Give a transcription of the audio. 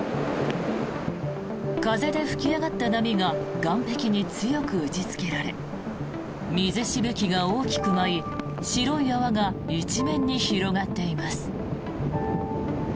風邪で吹き上がった波が岸壁に強く打ちつけられ水しぶきが大きく舞い白い泡が一面に広がっています。